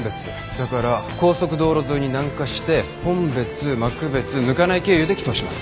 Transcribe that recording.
だから高速道路沿いに南下して本別幕別糠内経由で帰投します。